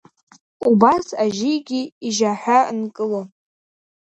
Убас ажьигьы ижьаҳәа нкыло…